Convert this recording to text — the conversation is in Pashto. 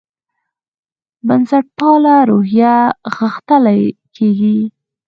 بنسټپاله روحیه غښتلې کېږي.